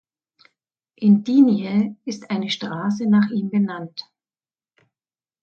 In Digne ist eine Straße nach ihm benannt.